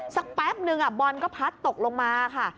แป๊บนึงบอลก็พัดตกลงมาค่ะ